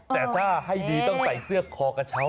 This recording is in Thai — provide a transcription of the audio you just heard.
แต่ถ้าให้ดีต้องใส่เสื้อคอกระเช้า